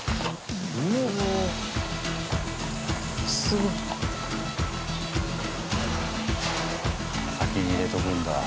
すごい。先に入れておくんだ。